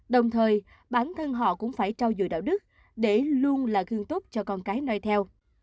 đồng thời bản thân họ cũng phải trao dồi đạo đức để luôn là gương tốt cho con cái nói theo